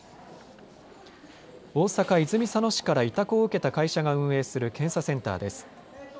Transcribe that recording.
大阪泉佐野市から委託を受けた会社が運営する検査センターです。